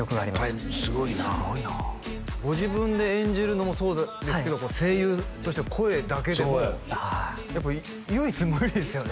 やっぱりすごいなすごいなご自分で演じるのもそうですけど声優として声だけでもやっぱ唯一無二ですよね